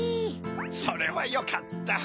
それはよかった。